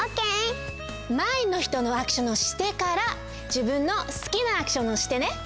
まえの人のアクションをしてからじぶんのすきなアクションをしてね。